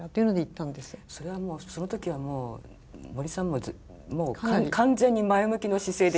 それはその時は森さんもう完全に前向きの姿勢で。